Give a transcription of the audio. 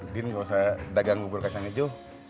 din nggak usah dagang bubur kacang hijau